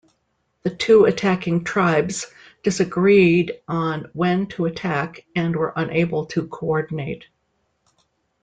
The two attacking tribes disagreed on when to attack and were unable to co-ordinate.